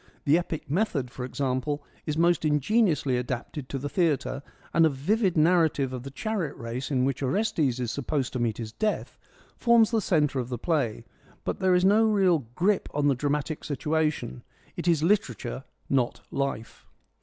The epic method, for example, is most ingeniously adapted to the theatre, and a vivid narrative of the chariot race in which Orestes is supposed to meet his death forms the centre of the play, but there is no real grip on the dramatic situation : it is literature, not life.